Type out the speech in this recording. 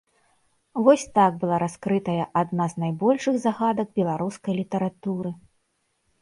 Вось так была раскрытая адна з найбольшых загадак беларускай літаратуры.